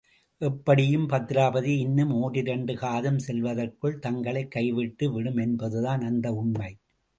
எப்படியும் பத்திராபதி இன்னும் ஓரிரண்டு காதம் செல்வதற்குள் தங்களைக் கைவிட்டு விடும் என்பதுதான் அந்த உண்மை.